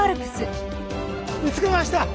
見つけました！